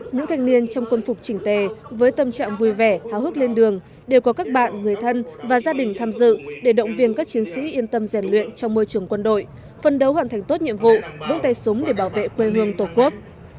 những thanh niên trong quân phục trình tề với tâm trạng vui vẻ háo hức lên đường đều có các bạn người thân và gia đình tham dự để động viên các chiến sĩ yên tâm rèn luyện trong môi trường quân đội phân đấu hoàn thành tốt nhiệm vụ vững tay súng để bảo vệ quê hương tổ quốc